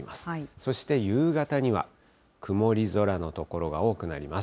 そして夕方には、曇り空の所が多くなります。